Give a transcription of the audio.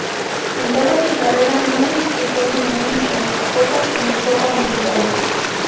En toda su carrera no disputó ninguna Eurocopa ni Copa Mundial.